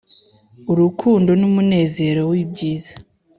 urukundo numunezero wibyiza,